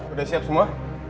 udah siap semua